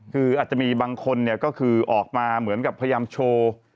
คืออาจจะมีบางคนเนี่ยก็คือออกมาเหมือนกับพยายามโชว์